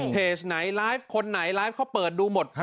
เพจไหนไลฟ์คนไหนไลฟ์เขาเปิดดูหมด